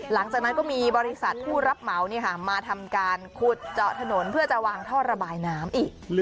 หลังจากนั้นก็มีบริษัทผู้รับเหมามาทำการขุดเจาะถนนเพื่อจะวางท่อระบายน้ำอีก